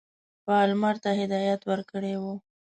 پالمر ته هدایت ورکړی وو.